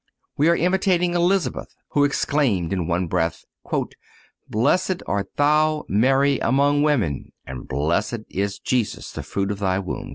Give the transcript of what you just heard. We are imitating Elizabeth, who exclaimed in one breath: "Blessed art thou (Mary) among women and blessed is (Jesus) the fruit of thy womb."